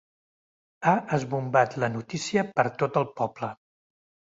Ha esbombat la notícia per tot el poble.